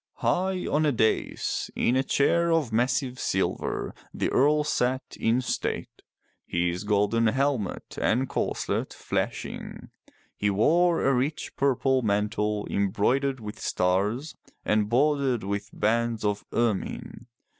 High on a dais in a chair of massive silver the Earl sat in state, his golden helmet and corselet flashing. He wore a rich purple mantle embroidered with stars and bordered with bands of ermine.